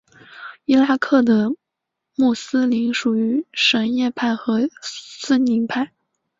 伊拉克的穆斯林属于什叶派和逊尼派。